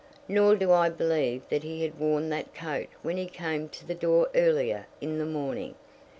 Nor do I believe that he had worn that coat when he came to the door earlier in the morning.